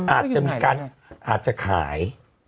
อาจจะมีการอาจจะขาย